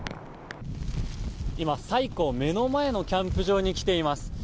西湖目の前のキャンプ場に来ています。